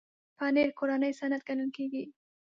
پنېر کورنی صنعت ګڼل کېږي.